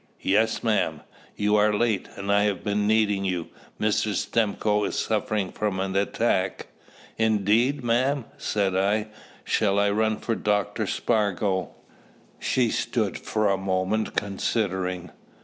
"Yes, ma'am!" "You are late, and I have been needing you. Mr. Stimcoe is suffering from an attack." "Indeed, ma'am?" said I. "Shall I run for Dr. Spargo?" She stood for a moment considering.